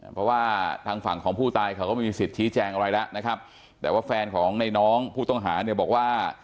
เพราะว่าทางฝั่งของผู้ตายเขาก็ไม่มีสิทธิ์ชี้แจงอะไรแล้วนะครับแต่ว่าแฟนของในน้องผู้ต้องหาเนี่ยบอกว่า